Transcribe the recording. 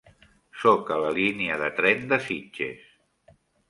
Soc a la línia de tren de Sitges.